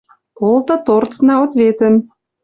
Колты торцна ответӹм.